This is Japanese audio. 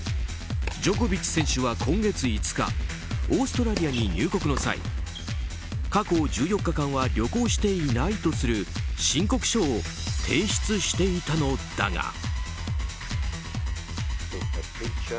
ジョコビッチ選手は今月５日オーストラリアに入国の際過去１４日間は旅行していないとする申告書を提出していたのだが。